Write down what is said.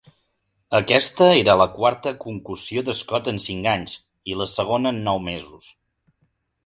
Aquesta era la quarta concussió d'Scott en cinc anys, i la segona en nou mesos.